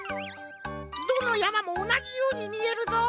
どのやまもおなじようにみえるぞ。